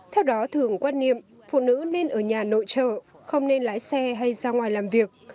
theo đó thường quan niệm phụ nữ nên ở nhà nội trợ không nên lái xe hay ra ngoài làm việc